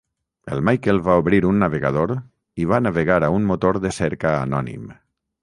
El Michael va obrir un navegador i va navegar a un motor de cerca anònim.